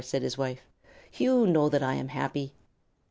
said his wife. "You know that I am happy."